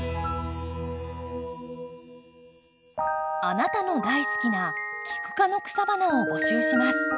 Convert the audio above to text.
あなたの大好きなキク科の草花を募集します。